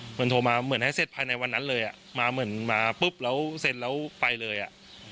โทรมาเหมือนให้เสร็จภายในวันนั้นเลยอ่ะมาเหมือนมาปุ๊บแล้วเซ็นแล้วไปเลยอ่ะ